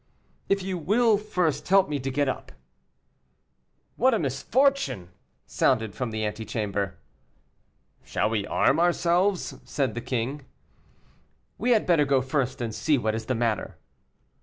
"If you will first help me to get up." "What a misfortune!" sounded from the antechamber. "Shall we arm ourselves?" said the king. "We had better go first and see what is the matter."